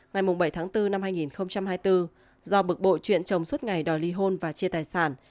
ngày bảy tháng bốn năm hai nghìn hai mươi bốn do bực bộ chuyện chồng suốt ngày đòi ly hôn và chia tài sản